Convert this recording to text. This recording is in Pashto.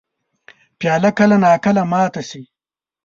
پیاله کله نا کله ماته شي.